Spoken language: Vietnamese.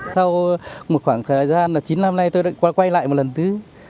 sau một khoảng thời gian chín năm nay tôi đã quay lại một lần thứ hai